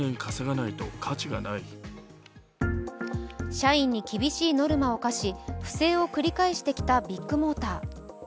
社員に厳しいノルマを課し不正を繰り返してきたビッグモーター。